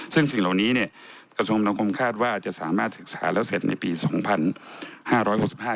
ซึ่งสิ่งเหล่านี้เนี่ยกระทรวงสังคมคาดว่าจะสามารถศึกษาแล้วเสร็จในปีสองพันห้าร้อยหกสิบห้า